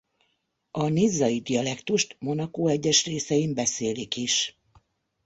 A nizzai dialektust Monacó egyes részein beszélik is.